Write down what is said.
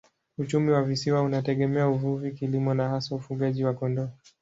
Uchumi wa visiwa unategemea uvuvi, kilimo na hasa ufugaji wa kondoo.